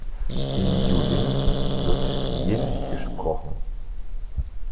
In Yulin wird Jin gesprochen.